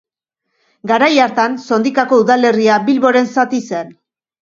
Garai hartan, Sondikako udalerria Bilboren zati zen.